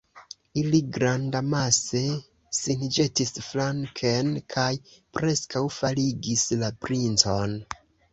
Ili grandamase sin ĵetis flanken kaj preskaŭ faligis la princon.